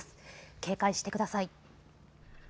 警戒してください。